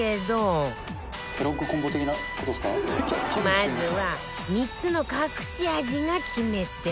まずは３つの隠し味が決め手